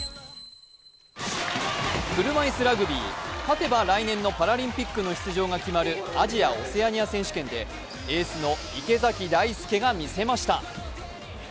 車いすラグビー、勝てば来年のパリオリンピックの出場が決まるアジア・オセアニア選手権でエースの池崎大輔がみせました。